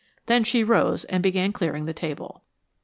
Then she rose and began clearing the table.